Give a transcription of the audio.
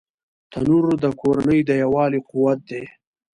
تنور د کورنۍ د یووالي قوت دی